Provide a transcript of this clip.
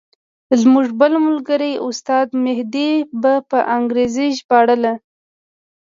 زموږ بل ملګري استاد مهدي به په انګریزي ژباړله.